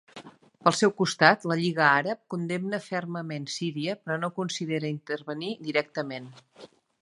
Pel seu costat, la Lliga Àrab condemna fermament Síria però no considera intervenir directament.